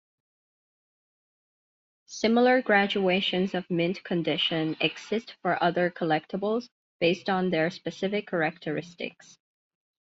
Similar graduations of mint condition exist for other collectibles based on their specific characteristics.